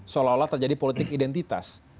seolah olah terjadi politik identitas